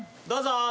どうぞ。